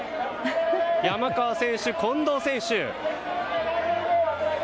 山川選手、近藤選手。